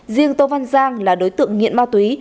riêng tô văn giang là đối tượng nghiện ma túy